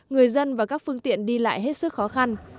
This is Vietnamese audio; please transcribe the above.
người dân và các phương tiện đi lại hết sức khó khăn